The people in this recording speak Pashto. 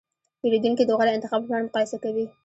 پیرودونکي د غوره انتخاب لپاره مقایسه کوي.